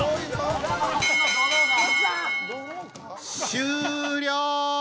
終了！